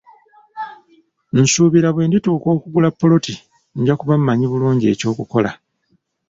Nsuubira bwe ndituuka okugula ppoloti, nja kuba mmanyi bulungi eky'okukola.